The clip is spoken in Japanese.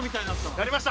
やりました！